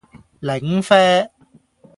檸啡